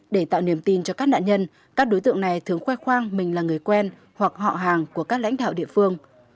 để tạo niềm tin cho các nạn nhân các đối tượng này thường khoe khoang mình là người quen hoặc họ hàng của các lãnh đạo địa phương